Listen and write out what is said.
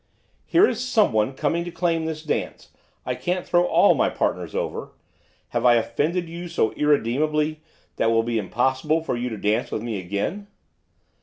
'Here is someone coming to claim this dance, I can't throw all my partners over. Have I offended you so irremediably that it will be impossible for you to dance with me again?